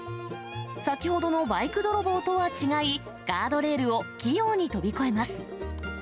先ほどのバイク泥棒とは違い、ガードレールを器用に飛び越えます。